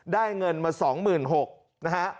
ได้เงินมา๒๖๐๐๐บาท